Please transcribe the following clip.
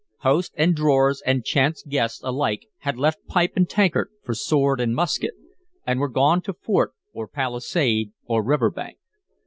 Host and drawers and chance guests alike had left pipe and tankard for sword and musket, and were gone to fort or palisade or river bank.